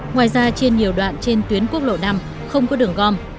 ngoài ra trên nhiều đoạn trên tuyến quốc lộ năm không có đường gom